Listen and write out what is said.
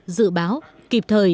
dự báo kịp thời